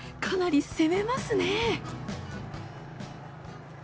かなり攻めますね！